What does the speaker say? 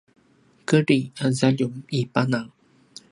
kedri a zaljum i pana